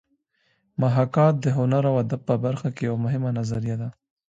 محاکات د هنر او ادب په برخه کې یوه مهمه نظریه ده